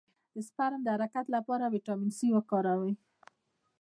د سپرم د حرکت لپاره ویټامین سي وکاروئ